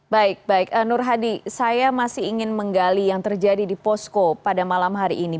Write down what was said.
baik baik nur hadi saya masih ingin menggali yang terjadi di posko pada malam hari ini